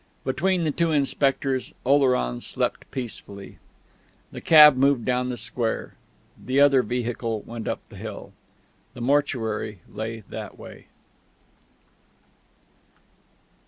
Between the two inspectors Oleron slept peacefully. The cab moved down the square, the other vehicle went up the hill. The mortuary lay that way.